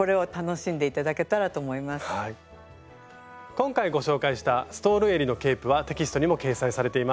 今回ご紹介した「ストールえりのケープ」はテキストにも掲載されています。